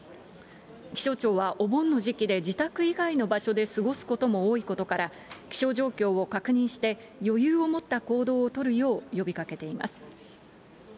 気象庁はお盆の時期で自宅以外の場所で過ごすことも多いことから、気象状況を確認して、余裕を持った行動を取るよう呼びかけています。